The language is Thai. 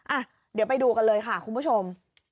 อ่ะเดี๋ยวไปดูกันเลยค่ะคุณผู้ชม